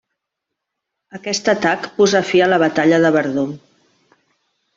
Aquest atac posà fi a la batalla de Verdun.